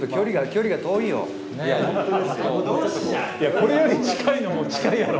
これより近いのも近いやろ。